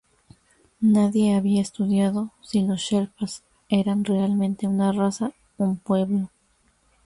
Nadie había estudiado si los sherpas eran realmente una raza, un pueblo.